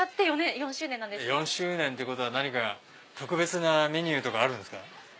４周年ってことは何か特別なメニューとかあるんすか？